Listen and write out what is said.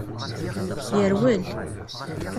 Yerwel.